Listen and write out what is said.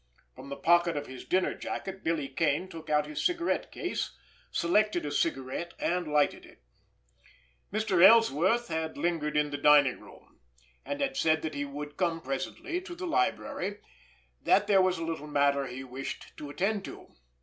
From the pocket of his dinner jacket Billy Kane took out his cigarette case, selected a cigarette, and lighted it. Mr. Ellsworth had lingered in the dining room, and had said that he would come presently to the library—that there was a little matter he wished to attend to.